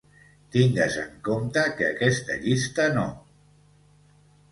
Tingues en compte que aquesta llista no